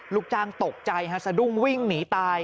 ลูกจ้างตกใจฮะสะดุ้งวิ่งหนีตาย